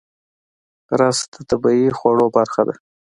رس د طبیعي خواړو برخه ده